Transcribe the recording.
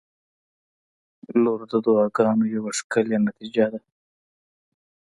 • لور د دعاوو یوه ښکلي نتیجه ده.